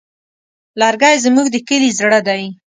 لرګی زموږ د کلي زړه دی.